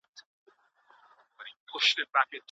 ولي هڅاند سړی د مستحق سړي په پرتله ښه ځلېږي؟